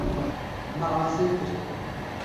Me asê kir.